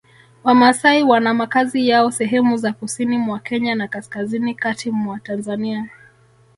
Wamasai wana makazi yao sehemu za Kusini mwa Kenya na Kaskazini kati mwa Tanzania